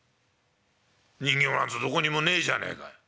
人形なんてどこにもねえじゃねえかよ」。